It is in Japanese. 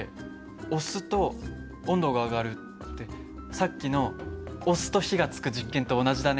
さっきの押すと火がつく実験と同じだね。